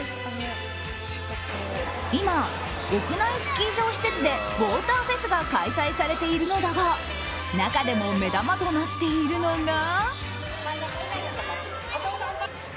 今、屋内スキー場施設でウォーターフェスが開催されているのだが中でも目玉となっているのが。